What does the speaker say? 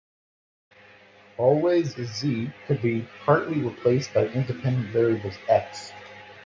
Always, "z" could be partly replaced by independent variables "x".